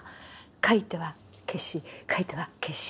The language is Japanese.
書いては消し書いては消し。